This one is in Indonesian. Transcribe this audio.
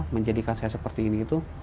menjadikan saya seperti ini